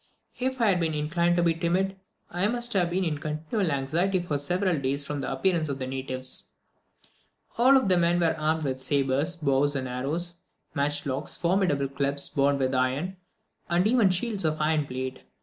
If I had been inclined to be timid, I must have been in continual anxiety for several days from the appearance of the natives. All of them were armed with sabres, bows and arrows, matchlocks, formidable clubs bound with iron, and even shields of ironplate.